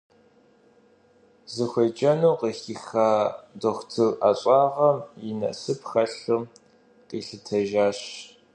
Зыхуеджэну къыхиха дохутыр ӏэщӏагъэм и насып хэлъу къилъытэжат.